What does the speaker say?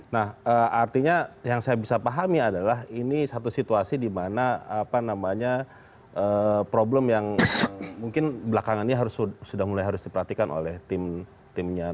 nah artinya yang saya bisa pahami adalah ini satu situasi dimana apa namanya problem yang mungkin belakangannya sudah mulai harus diperhatikan oleh tim timnya satu dan dua